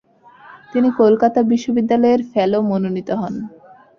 তিনি কলকাতা বিশ্ববিদ্যালয়ের ফেলো মনোনীত হন।